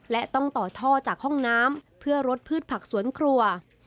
และต้องต่อท่อจากห้องน้ำเพื่อลดพืชผักสวนครัว